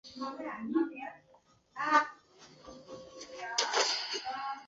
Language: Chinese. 酒石酸在化学手性的发现中发挥了重要的作用。